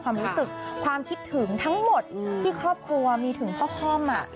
ความรู้สึกความคิดถึงทั้งหมดที่ครอบครัวมีถึงพ่อค่อม